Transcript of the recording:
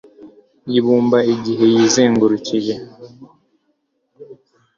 y ibumba igiye yizengurukije